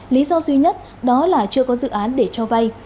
lý do duy nhất đó là chưa có dự án để cho vay